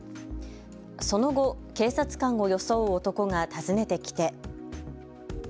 その後、警察官を装う男が訪ねてきて。